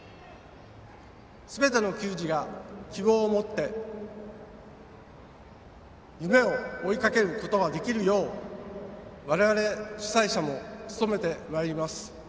すべての球児が希望を持って夢を追いかけることができるよう我々、主催者も努めてまいります。